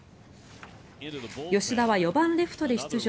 吉田は４番レフトで出場。